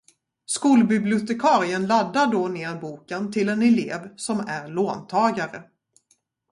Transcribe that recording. Skolbibliotekarien laddar då ner boken till en elev som är låntagare.